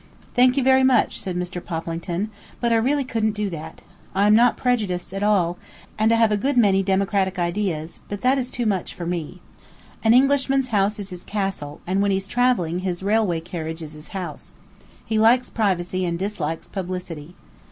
"Thank you very much," said Mr. Poplington, "but I really couldn't do that. I am not prejudiced at all, and I have a good many democratic ideas, but that is too much for me. An Englishman's house is his castle, and when he's travelling his railway carriage is his house. He likes privacy and dislikes publicity."